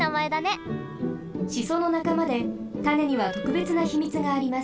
シソのなかまでたねにはとくべつなひみつがあります。